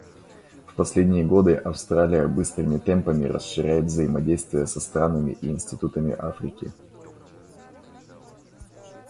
В последние годы Австралия быстрыми темпами расширяет взаимодействие со странами и институтами Африки.